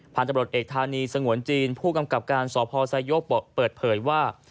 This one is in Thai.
ปัญหาบริจัยธานีส่งหวนจีนผู้กำกับการสอบภอสายโยกประกวบประกว่า